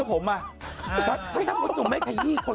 เขาเปลี่ยนชุฬกันหมดแล้วพี่นุ่ม